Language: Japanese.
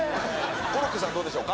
コロッケさん、どうでしょうか。